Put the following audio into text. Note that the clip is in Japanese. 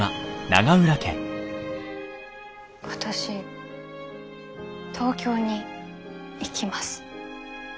私東京に行きます。